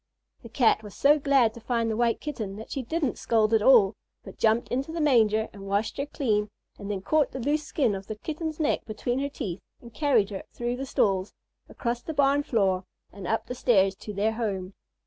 The Cat was so glad to find the White Kitten that she didn't scold at all, but jumped into the manger and washed her clean, and then caught the loose skin of the Kitten's neck between her teeth and carried her through the stalls, across the barn floor, and up the stairs to their home.